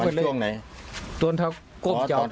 เป็นช่วงไหนทุ่มเจาะโกรธ